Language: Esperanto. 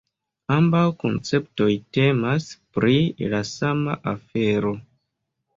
Ambaŭ konceptoj temas pri la sama afero.